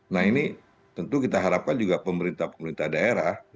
nah ini tentu kita harapkan juga pemerintah pemerintah daerah